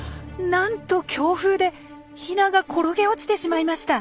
なんと強風でヒナが転げ落ちてしまいました。